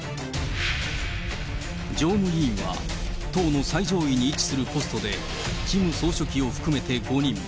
常務委員は党の最上位に位置するポストで、キム総書記を含めて５人。